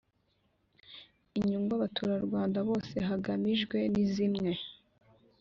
inyungu abaturarwanda bose hagamijwe nizimwe.